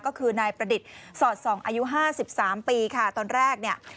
ก็คือนายประดิษฐ์สอดส่องอายุห้าสิบสามปีค่ะตอนแรกเนี่ย